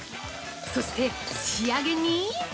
そして仕上げに。